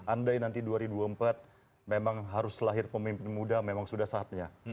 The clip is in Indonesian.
andai nanti dua ribu dua puluh empat memang harus lahir pemimpin muda memang sudah saatnya